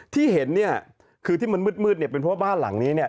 ที่เห็นเนี่ยคือที่มันมืดเนี่ยเป็นเพราะว่าบ้านหลังนี้เนี่ย